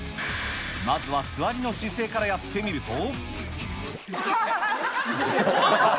まずは座りの姿勢からやってみると。